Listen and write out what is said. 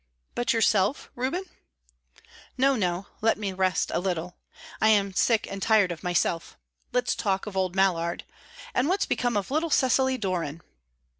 "But yourself, Reuben?" "No, no; let me rest a little. I'm sick and tired of myself. Let's talk of old Mallard. And what's become of little Cecily Doran?"